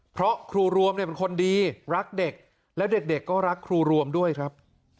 เพราะครูรวมเนี่ยเป็นคนดีรักเด็กและเด็กก็รักครูรวมด้วยครับ